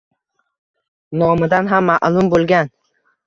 Nomidan ham maʼlum boʻlgan.